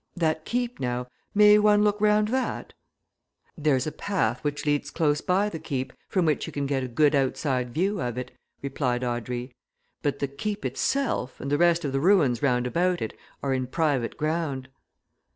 That Keep, now? may one look round that?" "There's a path which leads close by the Keep, from which you can get a good outside view of it," replied Audrey. "But the Keep itself, and the rest of the ruins round about it are in private ground."